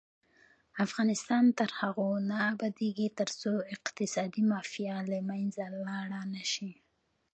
افغانستان تر هغو نه ابادیږي، ترڅو اقتصادي مافیا له منځه لاړه نشي.